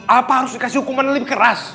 apa harus dikasih hukuman lebih keras